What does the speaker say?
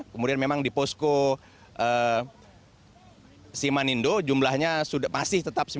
kemudian memang di posko simanindo jumlahnya masih tetap sembilan puluh empat